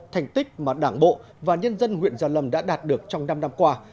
thành tích mà đảng bộ và nhân dân huyện gia lâm đã đạt được trong năm năm qua